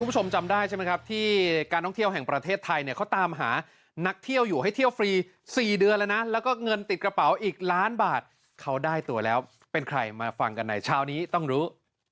คุณผู้ชมจำได้ใช่ไหมครับที่การท่องเที่ยวแห่งประเทศไทยเนี่ยเขาตามหานักเที่ยวอยู่ให้เที่ยวฟรี๔เดือนแล้วนะแล้วก็เงินติดกระเป๋าอีกล้านบาทเขาได้ตัวแล้วเป็นใครมาฟังกันในเช้านี้ต้องรู้